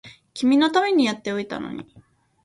君のためにやっておいたのに